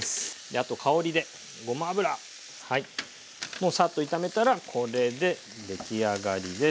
もうさっと炒めたらこれで出来上がりです。